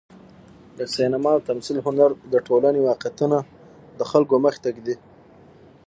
د سینما او تمثیل هنر د ټولنې واقعیتونه د خلکو مخې ته ږدي.